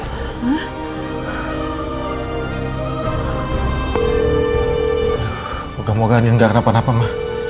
semoga moga andi gak kena panah ma